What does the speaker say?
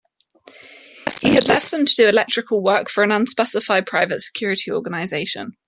He had left them to do electrical work for an unspecified private security organization.